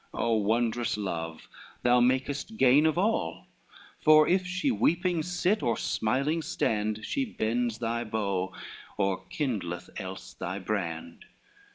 O wondrous love! thou makest gain of all; For if she weeping sit, or smiling stand, She bends thy bow, or kindleth else thy brand.